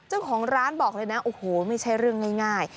เจ้าของร้านบอกเลยนะโอ้โหไม่ใช่เรื่องง่าย